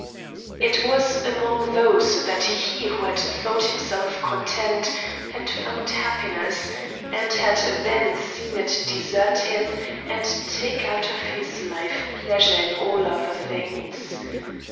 It was among those that he who had thought himself content, had found happiness, and had then seen it desert him and take out of his life pleasure in all other things.